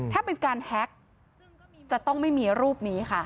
ถ้าเป็นการแฮ็กจะต้องไม่มีรูปนี้ค่ะ